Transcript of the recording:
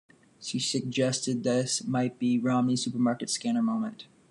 She suggested this might be Romney's supermarket scanner moment.